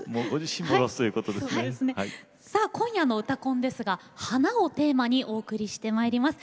今夜の「うたコン」ですが花をテーマにお送りしてまいります。